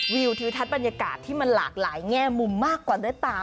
วิวทิวทัศน์บรรยากาศที่มันหลากหลายแง่มุมมากกว่าด้วยตา